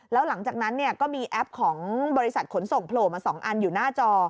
แล้วหลังจากนั้นก็มีแอปของบริษัทขนส่งโผล่มา๒อันอยู่หน้าจอ